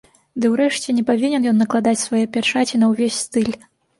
Ды ўрэшце, не павінен ён накладаць свае пячаці на ўвесь стыль.